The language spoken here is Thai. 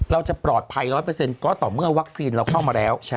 เราจะปลอดภัย๑๐๐ก็ต่อเมื่อวัคซีนเราเข้ามาแล้ว